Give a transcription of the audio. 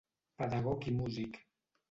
Pedagog i músic.